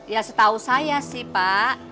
ya setahu saya sih pak